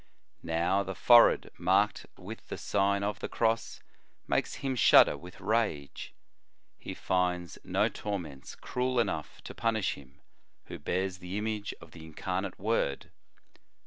"* Now the forehead marked with the Sign of the Cross makes him shudder with rage. He finds no torments cruel enough to punish him who bears the image of the Incarnate Word.